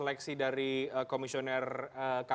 pak syafruddin pak